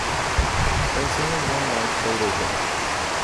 It has only one large shoulder drone.